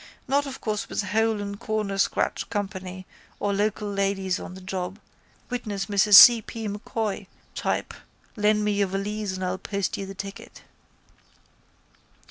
Not, of course, with a hole and corner scratch company or local ladies on the job, witness Mrs C P M'Coy type lend me your valise and I'll post you the ticket.